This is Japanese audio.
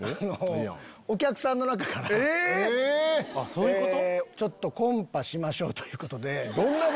そういうこと？